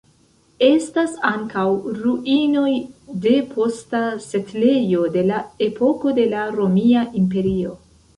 Estas ankaŭ ruinoj de posta setlejo de la epoko de la Romia Imperio.